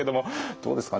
どうですかね？